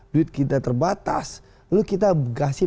duit kita terbatas lalu kita kasih